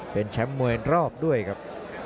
เป็นแชมป์มวยรอบด้วยครับ